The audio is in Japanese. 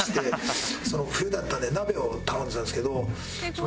冬だったんで鍋を頼んでたんですけど「えっ怖い！